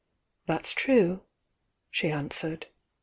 Thats true!" she answered.